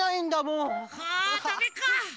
んダメか。